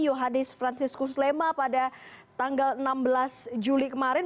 yohadis francis kuslema pada tanggal enam belas juli kemarin